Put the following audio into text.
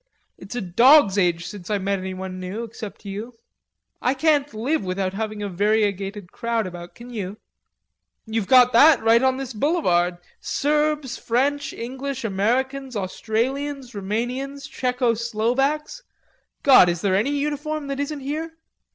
It's a dog's age since I met anyone new, except you. I can't live without having a variegated crowd about, can you?" "You've got that right on this boulevard. Serbs, French, English, Americans, Australians, Rumanians, Tcheco Slovaks; God, is there any uniform that isn't here?...